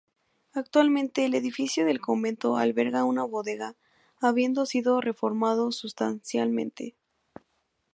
Actualmente el edificio del convento alberga una bodega, habiendo sido reformado sustancialmente.